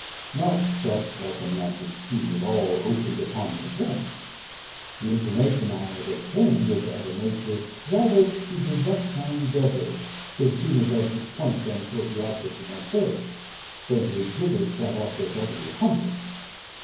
Not that, like a magic scene, it all opened upon me at once: the information I had obtained was of a nature rather to direct my endeavours so soon as I should point them towards the object of my search, than to exhibit that object already accomplished.